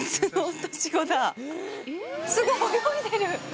すごい、泳いでる。